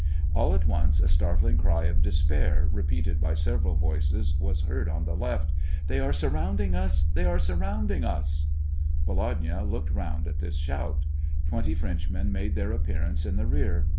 All at once a startling cry of despair, repeated by several voices, was heard on the left :" They are surrounding us ! They are surrounding us !" 254 SEVASTOPOL IN AUGUST. Volodya looked round at this shout. Twenty Frenchmen made their appearance in the rear.